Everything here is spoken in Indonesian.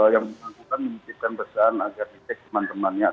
yang ditangkukan menciptakan pesan agar di tag teman temannya